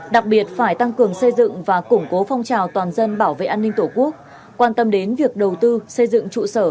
đặc biệt phải tăng cường xây dựng và củng cố phong trào toàn dân bảo vệ an ninh tổ quốc quan tâm đến việc đầu tư xây dựng trụ sở